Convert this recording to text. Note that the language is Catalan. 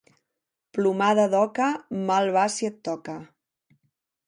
Plomada d'oca, mal va si et toca.